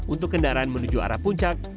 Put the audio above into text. untuk kendaraan menuju arah puncak